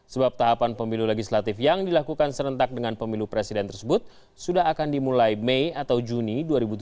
sebab tahapan pemilu legislatif yang dilakukan serentak dengan pemilu presiden tersebut sudah akan dimulai mei atau juni dua ribu tujuh belas